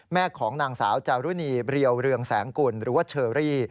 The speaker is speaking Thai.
แม่ของนางสาวจารุณีเรียวเรืองแสงกุลหรือว่าเชอรี่